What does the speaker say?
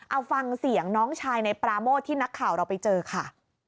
เอาฟังเสียงน้องชายในปราโมทที่นักข่าวเราไปเจอค่ะ